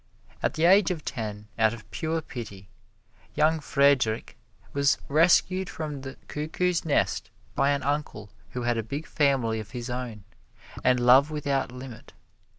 At the age of ten, out of pure pity, young Friedrich was rescued from the cuckoo's nest by an uncle who had a big family of his own and love without limit.